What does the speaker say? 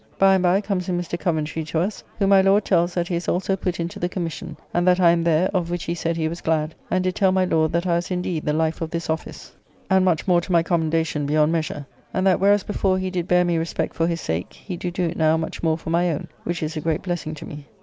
By and by comes in Mr. Coventry to us, whom my Lord tells that he is also put into the commission, and that I am there, of which he said he was glad; and did tell my Lord that I was indeed the life of this office, and much more to my commendation beyond measure. And that, whereas before he did bear me respect for his sake, he do do it now much more for my own; which is a great blessing to me.